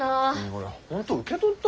俺本当受け取った？